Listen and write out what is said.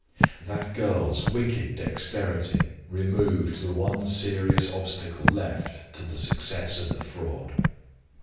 That girl's wicked dexterity removed the one serious obstacle left to the success of the fraud.